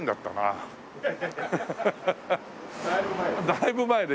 だいぶ前ね。